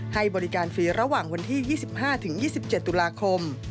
ให้บริการฟรีระหว่างวันที่๒๕๒๗ตุลาคม